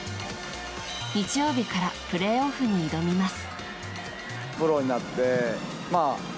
日曜日からプレーオフに挑みます。